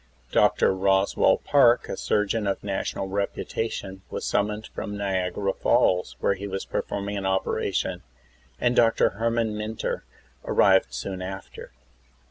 Dr. Roswell Park, a surgeon of national reputation, was sum moned from Niagara Falls, where he was performing an operation, and Dr. Herman Mynter arrived soon after.